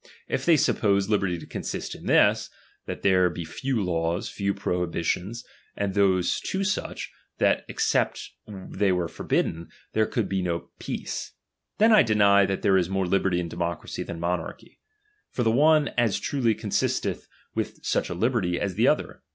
If they suppose liberty to consist in this, that there be few laws, few prohibitions, and those too such, that except they were forbidden, there could be no peace ; then I deny that there is more liberty in democracy than monarchy ; for the one as truly consisteth with such a liberty, as the other.